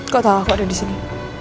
kok tau aku ada disini